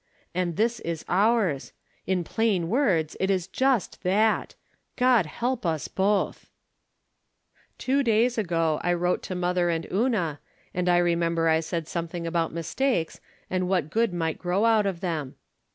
And this is ours 1 In plain words it is just that ! God help us both ! Two days ago I wrote to mother and Una, and I remember I said something about mistakes, and what good might grow out of them.